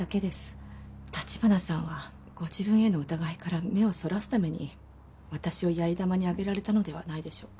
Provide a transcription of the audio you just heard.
橘さんはご自分への疑いから目をそらすために私をやり玉に挙げられたのではないでしょうか？